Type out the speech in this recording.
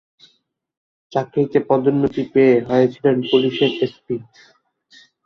চাকরিতে পদোন্নতি পেয়ে হয়েছিলেন পুলিশের এসপি।